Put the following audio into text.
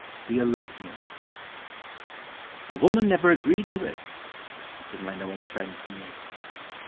THE ELOPEMENT "A WOMAN never agreed to it!" said my knowing friend to me.